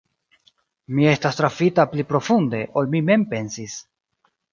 Mi estas trafita pli profunde, ol mi mem pensis.